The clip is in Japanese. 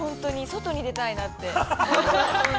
外に出たいなって。